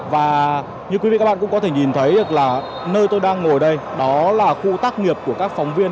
và như quý vị các bạn cũng có thể nhìn thấy được là nơi tôi đang ngồi đây đó là khu tác nghiệp của các phóng viên